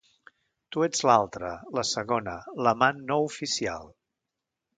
Tu ets l'altra, la segona, l'amant no oficial.